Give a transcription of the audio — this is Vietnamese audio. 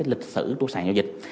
lịch sử của sàn giao dịch